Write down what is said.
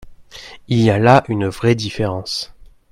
Il y a là une vraie différence.